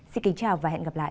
xin kính chào và hẹn gặp lại